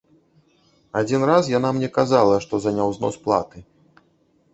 Адзін раз яна мне казала, што за няўзнос платы.